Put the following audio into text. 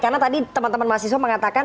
karena tadi teman teman mahasiswa mengatakan